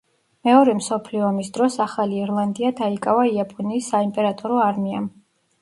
მეორე მსოფლიო ომის დროს ახალი ირლანდია დაიკავა იაპონიის საიმპერატორო არმიამ.